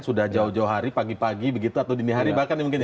sudah jauh jauh hari pagi pagi begitu atau dini hari bahkan mungkin ya